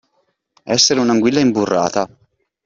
Essere un'anguilla imburrata.